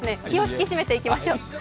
気を引き締めていきましょう。